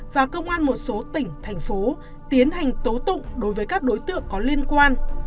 và công an một số tỉnh thành phố tiến hành tố tụng đối với các đối tượng có liên quan